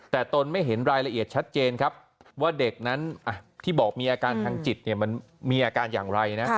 แต่ตนไม่เห็นรายละเอียดชัดเจนครับว่าเด็กนั้นที่บอกมีอาการทางจิตมันมีอาการอย่างไรนะ